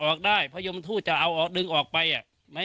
ออกได้เพราะยมทราทูตจะเอาดึงออกไปอ่ะ